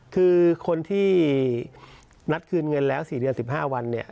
คือคนที่นัดคืนเงินแล้ว๔เดือน๑๕วันเนี่ย